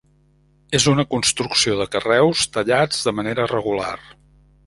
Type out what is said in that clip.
És una construcció de carreus tallats de manera regular.